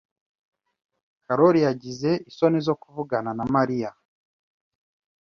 Karoli yagize isoni zo kuvugana na Mariya.